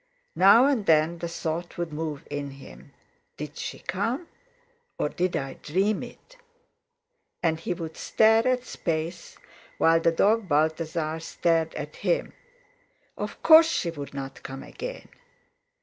Now and then the thought would move in him: "Did she come—or did I dream it?" and he would stare at space, while the dog Balthasar stared at him. Of course she would not come again!